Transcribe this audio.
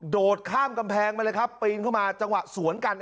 ดข้ามกำแพงมาเลยครับปีนเข้ามาจังหวะสวนกัน